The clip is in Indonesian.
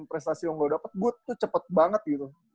prestasi yang gue dapat gue tuh cepet banget gitu